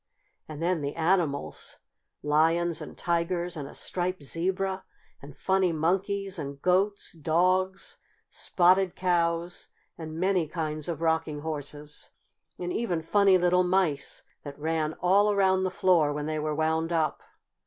And then the animals Lions and Tigers, and a Striped Zebra, and funny Monkeys and Goats, Dogs, Spotted Cows and many kinds of Rocking Horses. And even funny little Mice, that ran all around the floor when they were wound up.